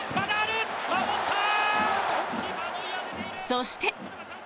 そして。